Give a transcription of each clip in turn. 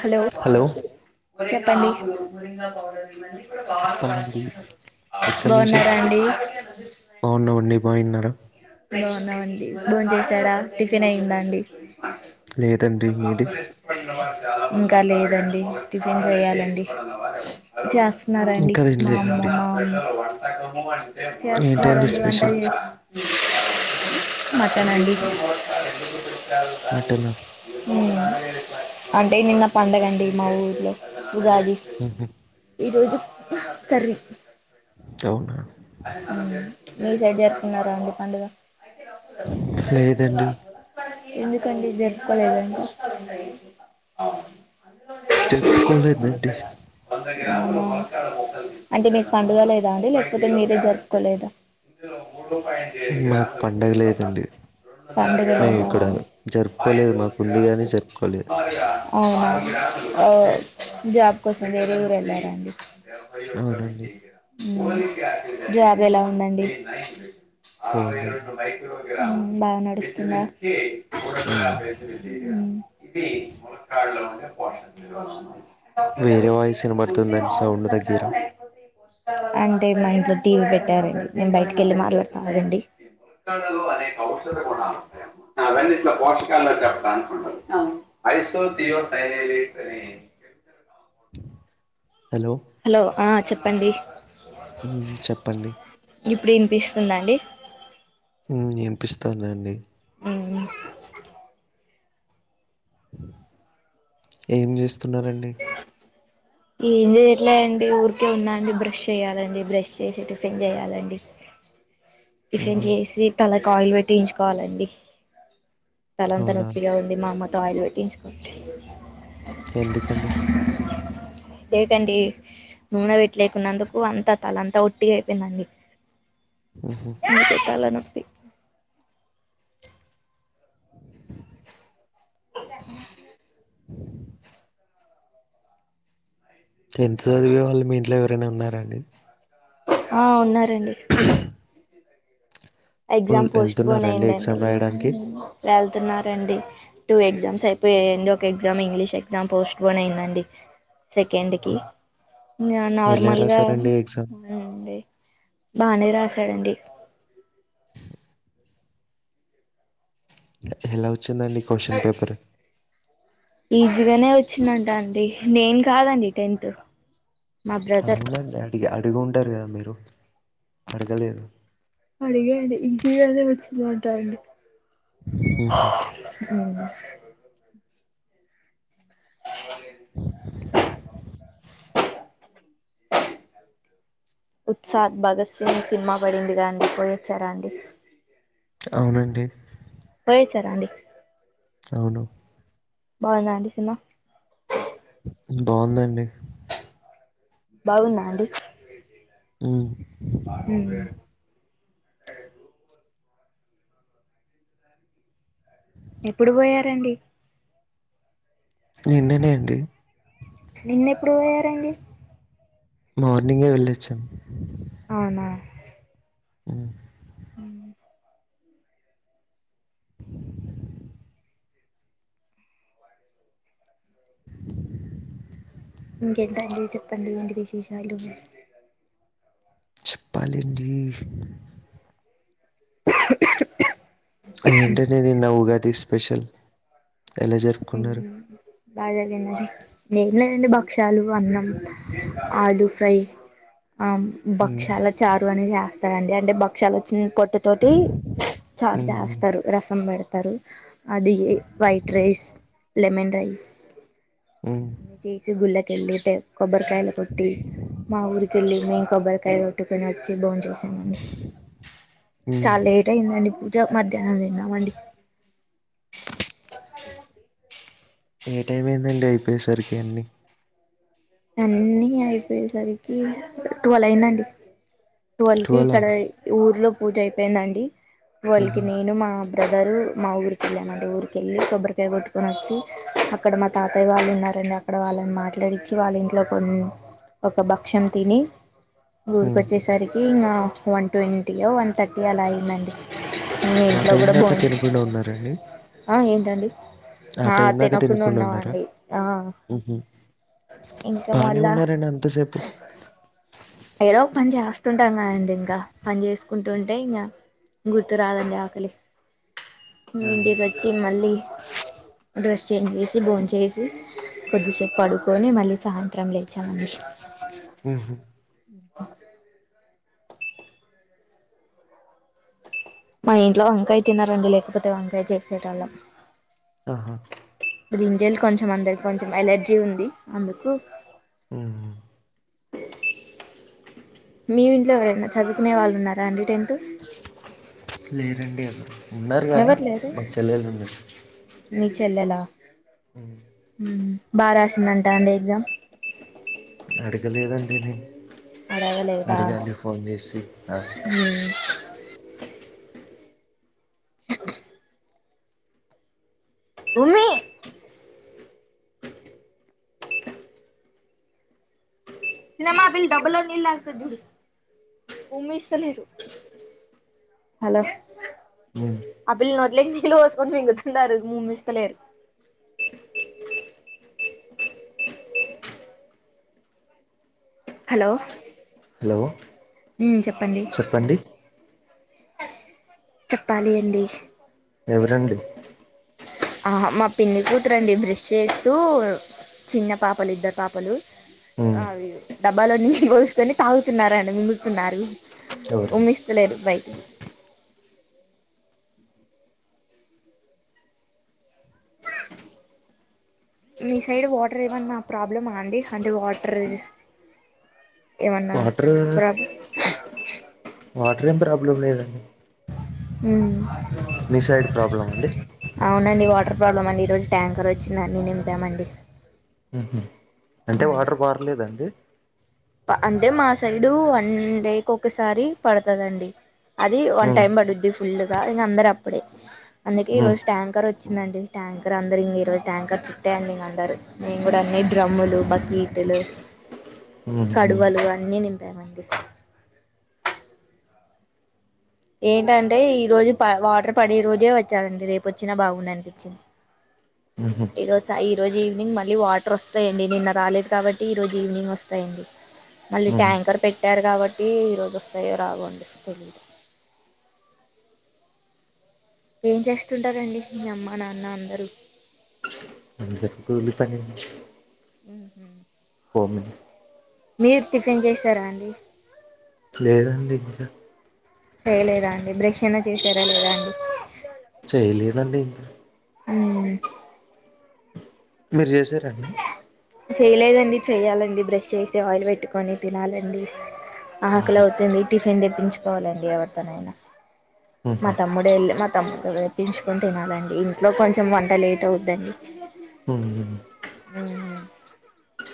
Hello చెప్ పాండి చెప్పాలండి ఎక్కడ నుంచి బాగున్నారా అండి బాగున్నవాడిని బాగున్నారు బాగున్నా అండి బాన్ చెసారా టిఫిన్ అయయిిందా అండి లేదండి మీది ఇంకా లేదండి టిఫిన్ చెయ్యాలండి చేస్త న్నారండి ఇంకా మా అమ్మ తినలేదండి ఏంటండి చేస్తున్నారండి వంట స్పెషల్ మాట్నండి మటనా హ్మ్ అంటే నిన్న పండగండి మా ఊర్లో ఉగాది ఊహూ ఈరోజు సర అవునా ఉమ్ మీ సైడ్ ఎరుకున్నారా అండీ పండుగ లేదండి ఎందుకండి జరుకోలేదండి చెప్పుకోలేదండి ఉమ్ ఆ అంటే మీకు పండుగలు ఏదా అండి లే అతే మీరే జరుపుకోలేదు మాకు పండగ లేదండి పండగా మేము ఇక్కడ జరుపుకోలేదు మాకు ఉంది గాని జరుపుకోలేదు లేధా అవునా ఆ జాబ్ కోసం వేరే వేరు వెల్లారా అండీ ఎ రక్క [unintelligible] అవునండి విజయి హ్మ్ జాబ్ ఎలా ఉందండి బాగుందండి [unintelligible] బాగా నడుస్తుందా ఉమ్ ఉమ్ [unintelligible] వేరే వాయిస్ వినబడుతుందండి సౌండ్ తగ్గిరా ఐ అంటే మా ఇంట్లో టీవీ పెట్టరండి. నేను బయటకి వెళ్ళి మాట్లాడుతా ఆగండి. అవన్నిట్లో పోషకాల్లో చెప్తాను. అ హలో హలో ఆ చెప్ప ప్పండి ఉమ్ చెప్పండి ఇప్పుడు వినిపిస్తుందండి ఉం ఏంపిస్తుందండి ఉమ్ ఏం జేస్ తున్నారండి ఏం చేయట్లేండి ఊరికే ఉన్నా అండి బ్రష్ చెయ్యాలండి బ్రష్ చేసి టిఫిన్ చేయాలండి. టిఫిన్ ఊహూ చేసి తలకి ఆయిల్ పె పట్టించుకోవాలండి తలంత అవునా నొప్పిగా ఉంది మా అమ్మతో ఆయిల్ పెట్టించు [inaudible] ఎందుకండి లేదండి నూనె వెట్లేకున్నందుకు అంతా తలంతా ఒట్టిగా అయిపోయిందండి ఊహూ తలనొప్పి [inaudible] [inaudible] ఎంత చదివే వాళ్ళు మీ ఇంట్లో ఎవనన్నారండి ఆ ఉన్నాయి ండి హ్మ్. ఎగ్జామ్ పోస్ట్ పోన్ వెళ్తున్నారా అండి అయిందండి ఎగ్జామ్ రాయడానికి? వెళ్తున్నారండి టూ ఎగ్జామ్స్ అయిపోయయండి ఒక ఎగ్జామ్ ఇంగ్లీష్ ఎగ్జామ్ పోస్ట్పోన్ అయిందండి సెకండ్కి హుహు. ఎలా నార్మల్గా రాసారండి ఎగ్జామ్? డి బాగానే రాస కదండీ హలో వచ్చిందండి క్వశ్చన్ పేపర్ ఈజీగానే వచ్చిందంట అండి నేను కాదండి టెన్త్ మా బ్రదర్ అవునండి అడిగి అడుగు ఉంటారు కదా మీరు అడగలేదు అడిగే అడి ఈజీ అద వచ్చి మాంటాండి హ అ ఉత్సాద్ భగత్ సింగ్ సినిమా పడింది అండి పోయొచ్చారా అండి అవునండి రాడి అవును బాన్నాడి సినిమా బాగుందండి బాగుందా అండి హ్మ్. అ అ ఎప్పుడు పోయారండి నిన్ననే అండి నిన్నెప్పుడు పోయారండి మార్నింగే వెళ్ళొచ్చాం అవునా ఆ అ ఇంకేంటండి చెప్పండి ఏంటి విశేషాలు చెప్పలండి ఏంటనేదిన్ నావుగా అతి స్పెషల్ ఎలా జరుపుకున్నారు? బాగా జరిగింది నేను లేదండి భక్షలు అన్నం ఆలూ ఫ్రై ఆ హ్మ్. బక్ష్యాలా చారు అని జస్త అంటే అంటే భక్షలు వచ్చిన పొట్ట తోటి చార్ హుహు. చేస్తారు రసం పెడత తరి అది వైట్ రైస్ లమెన్ రయిస్ హ్మ్. అ చేసి గుల కిీట కొబ్బరికాయలు కొట్టి మా ఊరి కేళ్లి మేన్ కొబ్బ కై కొట్టుకోన్ నచ్చి బోన్ చేసామండి హ్మ్. చాలా లేట్ అయిందండి పూ ఇగ మధ్యాహ్నం తిన్నామండి ఏ టైం అయిందండి అయిపోయేసరికి అన్నీ అన్నీ అయిపోయేసరికి టువల్ అయిందండి ట్వెల్వ్ కి ఇక్కడ ఊర్లో పూజ అయిపోయిందండి టువల్కి హుహు. నేను మా మ్ బ్రదరు మా ఊరి కెళ్ళాము అండి ఊరి కేళ్ళి కొబ్బరికాయ కొట్టుకొని వచ్చి అక్కడ మా తాతయ్య వాళ్ళు ఉన్నారండి అక్కడ వాళ్ళని మాట్లాడి చ్చి వాళ్ళ ఇంట్లో కొన్ ఒక భక్ష్యం తిని ఊరికొ హ్మ్. వచ్చేసరికి ఇంగ వన్ ట్వంటీయో వన్ థర్టీ అలా అయ్యందండి మీ ఆ ఇంట్లో టైం కూడా దాకా బోన్ తినకుండా ఉన్నారండి ఆ ఏంటండి ఆ టైం దాకా తినకుండా ఉన్నామ్ ఉన్నారా అండి ఆ ఉహు ఇంకా బానే మళ్ళా ఉన్నారండి అంతసేపు ఏదో ఒక పని చేస్తుంటాం కదండి ఇంకా పని చేసుకుంటు ఉంటే ఇంగ గుర్తురాదండి ఆకలి హ్మ్ ఉహు ఇంటి కచ్చి మళ్ళీ డ్రెస్ చేంజ్ చేసి బోన్ చేసి కొద్దిసేపు పడుకొని మళ్ళీ సాయంత్రం లేచామండి హూ మ్ ఆ మా ఇంట్లో వంకాయ తినరండి లేకపోతే వంకాయ చేసే టోళ్ళం ఆహా ఇప్పుడు ఇంజెల్ కొంచెం అందరి కొంచెం ఎలర్జీ ఉంది అందుకు మ్ మీ ఇంట్లో ఎవరన్నా చదువుకునే వాళ్ళు ఉన్నారా అండి టెన్త్ లేరండి ఎవరూ ఉన్నారు కానీ ఎవరు లేరు మాక్ చెల్లెళ్ళు ఉన్నారు మీ అ ఉమ్ బా రాసిందంట అండి ఎగ్జామ్ అడగలేదండి నేన్ అడగ లేదా ఆ హుమ్ ఆ ఉమి చిన్నమ్మ ఆ పిల్ల డబ్బాలో నీ నీళ్ళు తాగుతది చూడు ఉ ఆ పిల్లలు నోట్లోకి నీళ్ళు పోసుకొని మింగుతున్నారు ఉమ్మిస్తలేరు హలో హలో మ్ చెప్ చెప్పండి చెప్పాలి అండి ఎవరండి ఆ మా పిన్ని కూతురండి బ్రష్ చేస్తూ చిన్న పాపలు ఇద్దరు పాపలు ఉ అవి డబ్బాలో నీల్లు పోసుకొని తాగుతున్నారండి మింగుతున్నారు ఎవరు ఉమిష్లేరు బాయి అ మీ సైడ్ వాటర్ ఏవన్నా ప్రాబ్లమా అండి అంటే వాటర్ ఏవన్నా వాటర్ ప్రా వాటర్ ఏం ప్రాబ్లం లేదండి హమ్ మీ సైడ్ ప్రాబ్లమా అండి అవునండి వాటర్ ప్రాబ్లం అండి ఈరోజు ట్యాంకర్ వచ్చిందన్నీ నింపామండి హ అంటే వాటర్ బర్లేదండి ఉ అంటే మా సైడు వన్ డేకి ఒకసారి పడతదండి అది వన్ ఉ టైమ్ పడుద్ది ఫుల్ ఇంగ అందరు అప్పుడే అందుకే ఈ ఉ రోజు ట్యాంకర్ వచ్చిందండి ట్యాంకర్ అందరు ఇంక ఈ రజు ట్యాంకర్ చుట్టేఅండి ఇంక అందరు నేను కూడా అన్ని డ్రమ్ములు, బకీట్లు ఉహు కడువలు అన్నీ నింపామండి ఏంటంటే ఈ రోజు ప వాటర్ పడే రోజే వచ్చాలండి రేపు ఒచ్చినా బాగుంది అనిపించింది ఉహు ఈరోజు స ఈరోజు ఈవినింగ్ మళ్ళీ వాటర్ వస్తాయంండి నిన్న రాలేదు కాబట్టి ఈ రోజు ఈవినింగ్ వస్తాయండి మళ్ళీ ట్యాంకర్ పెట్టారు కాబట్టి ఈ రోజు వస్తాయో రావండి తెలీదు ఏం చేస్తుంటారండి మీ అమ్మ నాన్న అందరూ? అ గుర్లి పని ఉ కోమ మీరు టిఫిన్ చేసారా అండి? లేదండి ఇంకా చేయలేదా అండి బ్రెషైనా చేసారా లేదా అండి చేయలేదండి ఇం మ్ మీరు చేసారాండి చేయలేదండి చేయాలండి బ్రెష్ చేసి ఆయిల్ వెట్టుకొని తినాలండి ఆకలవుతుంది టి ఫిన్ దెప్పించుకోవాలండి ఎవరితోనైనా మ తమ్ముడే ఎల్లి మ తమ్ముతో తెప్పించుకొని తినాలండి ఇంట్లో కొంచెం వంట లేట్ అవుద్దండి ఉం మ్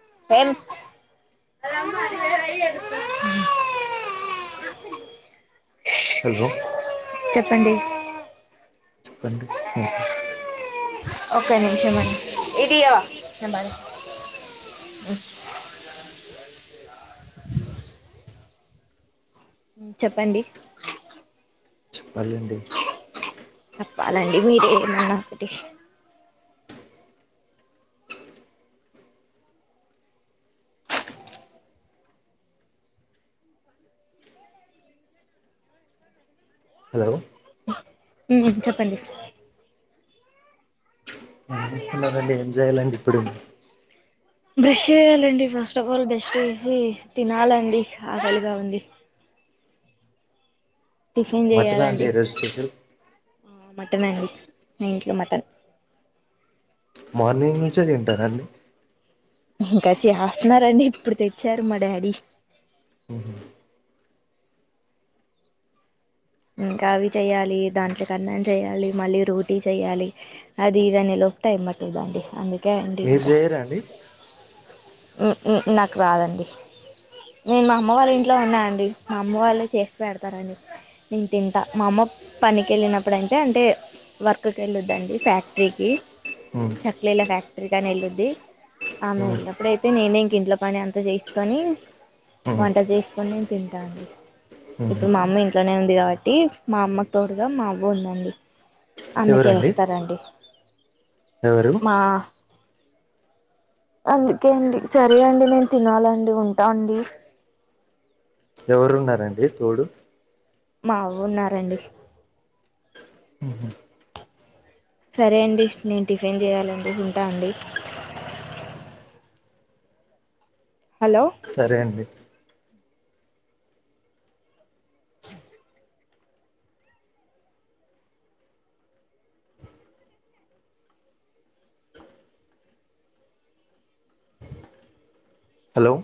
[unintelligible] హలో ప్పండి చెప్పండి క ఒకక నిమిష మండి మ్ చెప్పండి చెప్పాలండి చెప్పాలండి మీరేమన్న ఒకటి హలో మ్ చెప్పండి వేస్తున్నారండి ఎంజాయ్లాండి ఇప్పుడేను బ్రష్ చేయాలండి ఫస్ట్ ఆఫ్ ఆల్ బ్రష్ట్ వేసి తినాలండి ఆకలిగా ఉంది టిఫిన్ మటనా అండి చేయాలండి ఈరోజు స్పెషల్ టన్ అండి నీ ఇంట్లో మటన్ మార్నింగ్ నుంచి తింటారండి ఇంకా చేస్తన్నారండి ఇప్పుడు తెచ్చారు మా డాడీ ఇంకా అవి చెయ్యాలి దాంట్లోకి అన్నం చెయ్యాలి మళ్ళీ రోటీ చెయాలి అది ఇది అనేలోపు టైం పట్టుద్దండి అందు కకే అండి మీరు ఇంకా చేయరా అండి నాకు రాదండి నేను మా అమ్మ వాళ్ళ ఇంట్లో ఉన్నా అండి మా అమ్మ వాళ్ళే చేసి పెడతారండి నేను తింటా మా అమ్మ పనికి వెళ్ళినప్పుడంటే అంటే వర్క్కి వెళ్ళొద్దండి ఫ్యాక్టరీకి చక్లీల ఫ్యాక్టరీకి అని వెళ్ళొద్ది ఆమె వెళ్ళినప్పు ఇప్పుడైతే నేనే ఇంక ఇంట్లో పని అంతా చేసుకొని వంట చేసుకొని నేన్ తింటాండి ఇప్పుడు మా అమ్మ ఇంట్లోనే ఉంది కాబట్టి మా అమ్మకు తోడుగా మా అవ్వ ఉందండి అన్ని ఎవరండి చేస్తారండి ఎవరు మా అందుకే అండి సరే అండి నేను తినాలండి ఉంటా అండి ఎవరు ఉన్నారండి తోడు మ అవ్వ ఉన్నారండి సరే అండి నేను టిఫిన్ చేయాలండి ఉంటా అండి హలో సరే అండి హలో